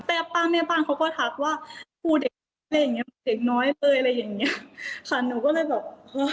แต่ป้าแม่ป้าเขาก็ทักว่าครูเด็กน้อยอะไรอย่างนี้ค่ะหนูก็เลยแบบ